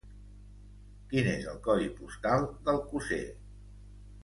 Quin és el codi postal d'Alcosser?